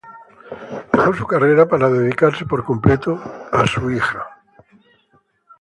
Él, dejó su carrera para dedicarse por completo a su hija.